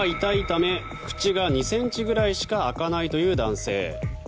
ため口が２ｃｍくらいしか開かないという男性。